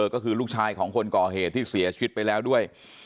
ก็คือลูกชายของคนก่อเหตุที่เสียชีวิตไปแล้วด้วย